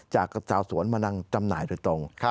จากชาวสวนมานั่งจำหน่ายโดยตรง